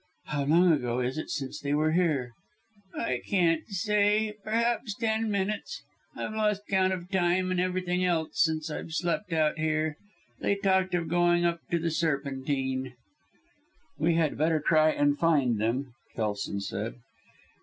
"How long ago is it since they were here?" Kelson asked. "I can't say, perhaps ten minutes. I've lost count of time and everything else, since I've slept out here. They talked of going to the Serpentine." "We had better try and find them," Kelson said.